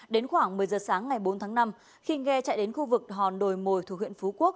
đến khoảng một mươi giờ sáng ngày bốn tháng năm khi nghe chạy đến khu vực hòn đồi mồi thuộc huyện phú quốc